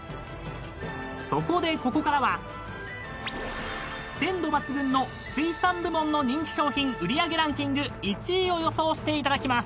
［そこでここからは鮮度抜群の水産部門の人気商品売り上げランキング１位を予想していただきます］